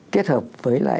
kết hợp với lại